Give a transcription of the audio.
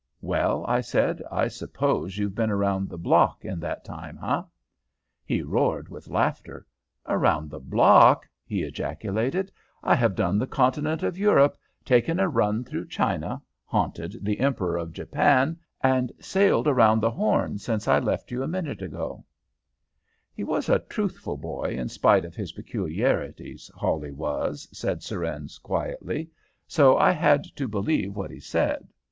"'Well,' I said, 'I suppose you've been around the block in that time, eh?' "He roared with laughter. 'Around the block?' he ejaculated. 'I have done the Continent of Europe, taken a run through China, haunted the Emperor of Japan, and sailed around the Horn since I left you a minute ago.' "He was a truthful boy in spite of his peculiarities, Hawley was," said Surrennes, quietly, "so I had to believe what he said.